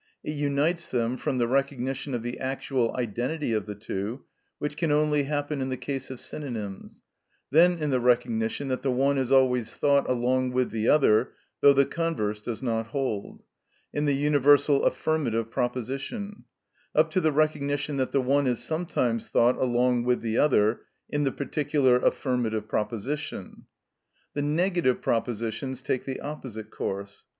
It unites them from the recognition of the actual identity of the two, which can only happen in the case of synonyms; then in the recognition that the one is always thought along with the other, though the converse does not hold—in the universal affirmative proposition; up to the recognition that the one is sometimes thought along with the other, in the particular affirmative proposition. The negative propositions take the opposite course.